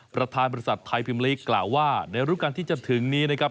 ประธานบริษัทไทยพิมลีกกล่าวว่าในรูปการณ์ที่จะถึงนี้นะครับ